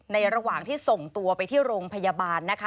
ระหว่างที่ส่งตัวไปที่โรงพยาบาลนะคะ